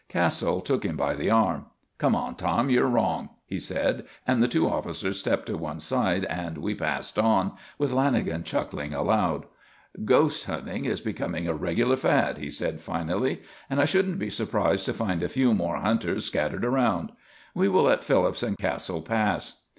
Castle took him by the arm. "Come on, Tom, you're wrong," he said, and the two officers stepped to one side and we passed on, with Lanagan chuckling aloud. "Ghost hunting is becoming a regular fad," he said finally. "And I shouldn't be surprised to find a few more hunters scattered around. We will let Phillips and Castle pass."